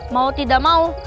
mau tidak mau